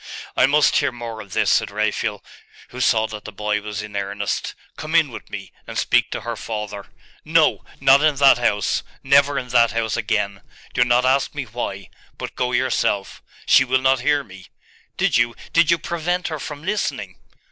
'I must hear more of this,' said Raphael, who saw that the boy was in earnest. 'Come in with me, and speak to her father.' 'No! not in that house! Never in that house again! Do not ask me why: but go yourself. She will not hear me. Did you did you prevent her from listening?